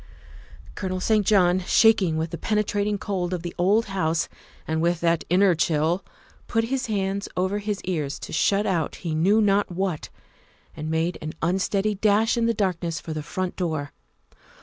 Colonel St. John, shaking with the penetrating cold of the old house and with that inner chill, put his hands over his ears to shut out he knew not what, and made an unsteady dash in the darkness for the front door.